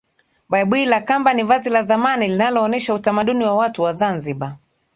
Baibui la kamba ni vazi la zamani linaloonesha utamaduni wa watu wa zanzibar